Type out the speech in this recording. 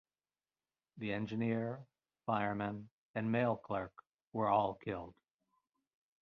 The engineer, fireman, and mail clerk were all killed.